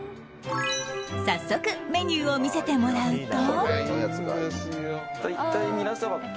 早速メニューを見せてもらうと。